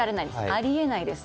あり得ないです。